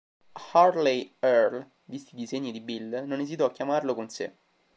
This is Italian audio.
Harley Earl, visti i disegni di Bill, non esitò a chiamarlo con sé.